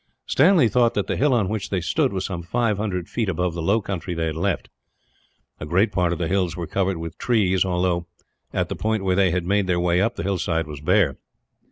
Stanley thought that the hill on which they stood was some five hundred feet above the low country they had left. A great part of the hills was covered with trees although, at the point where they had made their way up, the hillside was bare.